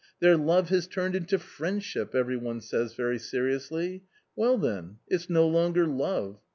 'Their love has turned into friendship !' every one says very seriously ; well then ! it's no longer love